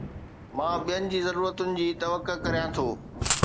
مان ٻين جي ضرورتن جي توقع ڪريان ٿو